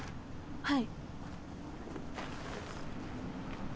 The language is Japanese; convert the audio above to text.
はい。